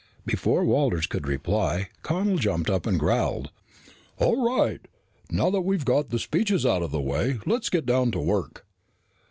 Before Walters could reply, Connel jumped up and growled. "All right! Now that we've got the speeches out of the way, let's get down to work."